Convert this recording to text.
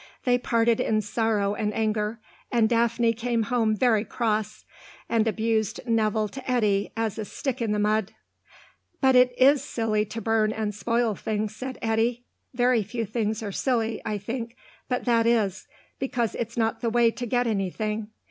They parted in sorrow and anger, and Daphne came home very cross, and abused Nevill to Eddy as a stick in the mud. "But it is silly to burn and spoil things," said Eddy. "Very few things are silly, I think, but that is, because it's not the way to get anything.